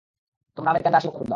তোমরা আমেরিকানরা আসলে বোকাচোদা।